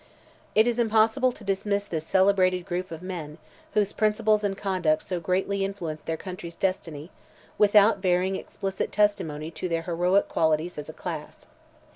It is impossible to dismiss this celebrated group of men, whose principles and conduct so greatly influenced their country's destiny, without bearing explicit testimony to their heroic qualities as a class.